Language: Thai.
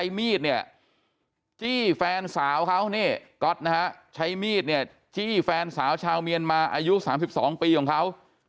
มีดเนี่ยจี้แฟนสาวเขานี่ก๊อตนะฮะใช้มีดเนี่ยจี้แฟนสาวชาวเมียนมาอายุ๓๒ปีของเขา